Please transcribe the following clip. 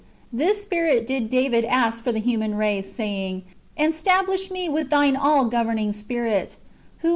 This Spirit did David ask for the human r^ce, saying, j "And stablish me with Thine all governing Spirit;"^ who